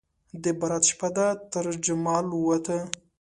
د برات شپه ده ترجمال ووته